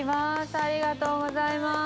ありがとうございます。